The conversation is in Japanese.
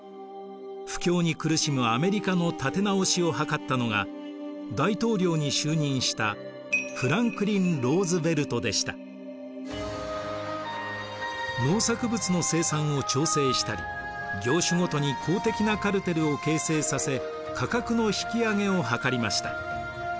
不況に苦しむアメリカの立て直しを図ったのが大統領に就任した農作物の生産を調整したり業種ごとに公的なカルテルを形成させ価格の引き上げを図りました。